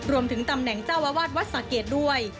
รวมถึงตำแหน่งเจ้าอาวาสวัสดิ์ศาสตร์เกรดด้วย